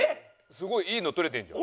すごいいいの撮れてるじゃん。